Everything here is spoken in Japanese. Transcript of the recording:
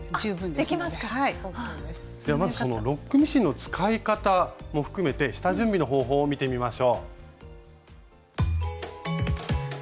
ではまずそのロックミシンの使い方も含めて下準備の方法を見てみましょう。